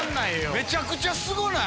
めちゃくちゃすごない？